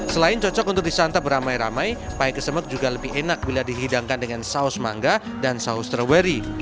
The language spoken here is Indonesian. selain cocok untuk disantap beramai ramai paya kesembek juga lebih enak bila dihidangkan dengan saus mangga dan saus stroberi